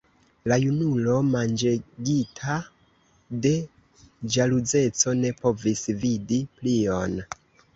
La junulo manĝegita de ĵaluzeco ne povis vidi plion.